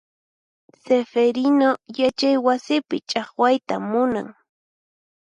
Sifirinu yachay wasipi chaqwayta munan.